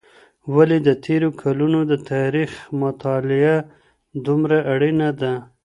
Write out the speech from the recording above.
ولې د تېرو کلونو د تاریخ مطالعه دومره اړینه ده؟